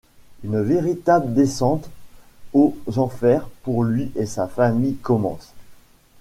Une véritable descente aux enfers pour lui et sa famille commence.